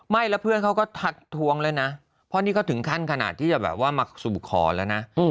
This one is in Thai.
ไม่แล้วเพื่อนเขาก็ทักทวงแล้วนะเพราะนี่ก็ถึงขั้นขนาดที่จะแบบว่ามาสู่ขอแล้วนะ